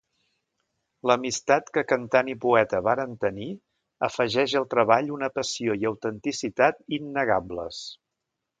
L'amistat que cantant i poeta varen tenir, afegeix al treball una passió i autenticitat innegables.